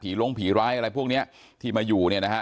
ผีล้งผีร้ายอะไรพวกนี้ที่มาอยู่นะฮะ